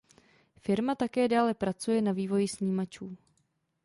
Firma také dále pracuje na vývoji snímačů.